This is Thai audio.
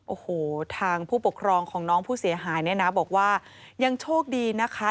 โอ้โหทางผู้ปกครองของน้องผู้เสียหายเนี่ยนะบอกว่ายังโชคดีนะคะ